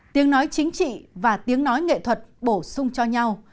tiếng nói chính trị và tiếng nói nghệ thuật bổ sung cho nhau